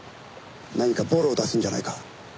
何かボロを出すんじゃないか。